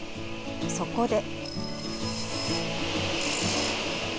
そこで。